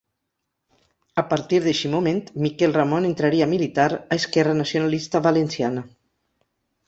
A partir d'eixe moment, Miquel Ramon entraria a militar a Esquerra Nacionalista Valenciana.